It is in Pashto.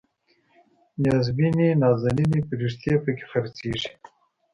نیازبینې نازنینې فرښتې پکې خرڅیږي